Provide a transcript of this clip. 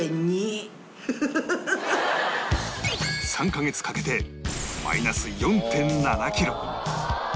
３カ月かけてマイナス ４．７ キロ